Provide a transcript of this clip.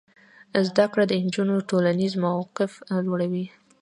زده کړه د نجونو ټولنیز موقف لوړوي.